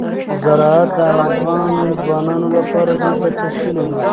زراعت د افغان ځوانانو لپاره ډېره دلچسپي لري.